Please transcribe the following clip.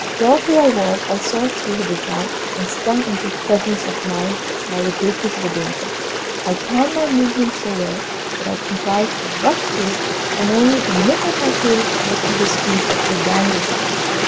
Dog though I was, I saw through her design, and stung into presence of mind by the greatness of the danger, I timed my movements so well that I contrived to rush through, and only the tip of my tail received a squeeze as she banged the gate.